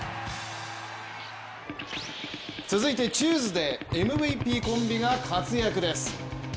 続いてチューズデー、ＭＶＰコンビが活躍です。